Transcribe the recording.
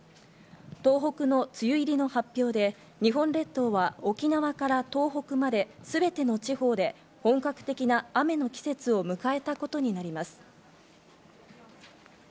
東北の梅雨入りの発表で、日本列島は沖縄から東北まですべての地方で本格的な雨の季節を迎えたことになります。